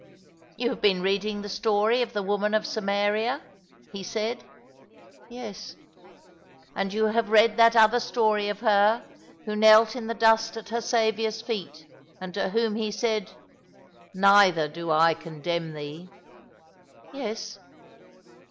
"Ton have been reading the story of the woman of Samaria," he said. " Yes." " And you have read that other fjtory of her who knelt in ''In the Shadow of the TornhP 259 the dust at her Saviour's feet, and to whom He said, 'Neither do I condemn thee/ " "Yes."